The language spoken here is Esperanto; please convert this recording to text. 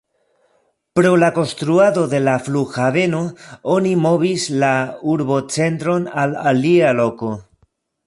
Pro la konstruado de la flughaveno, oni movis la urbocentron al alia loko.